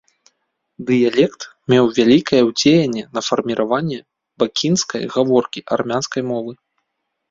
Дыялект меў вялікае ўздзеянне на фармаванне бакінскай гаворкі армянскай мовы.